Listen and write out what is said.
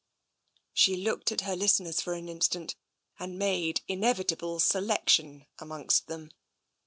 She looked at her listeners for an instant, and made inevitable selection amongst them.